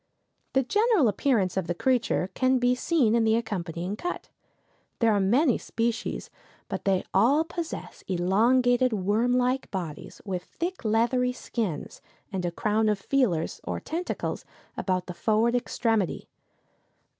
The general appearance of the creature can be seen in the accompanying cut. There are many species, but they all possess elongated worm like bodies, with thick leathery skins, and a crown of feelers, or tentacles, about the forward extremity.